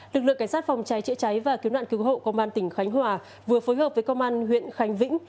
lực lượng cảnh sát phòng cháy chữa cháy và cứu nạn cứu hộ công an tỉnh khánh hòa vừa phối hợp với công an huyện khánh vĩnh